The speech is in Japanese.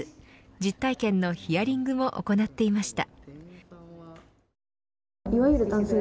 実体験のヒアリングも行っていました。